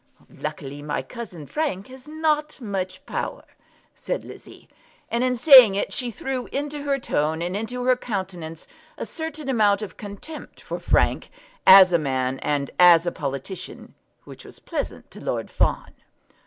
"Luckily, my cousin Frank has not much power," said Lizzie. And in saying it she threw into her tone, and into her countenance, a certain amount of contempt for Frank as a man and as a politician, which was pleasant to Lord Fawn.